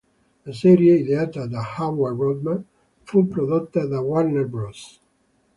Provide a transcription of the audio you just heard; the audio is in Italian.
La serie, ideata da Howard Rodman, fu prodotta da Warner Bros.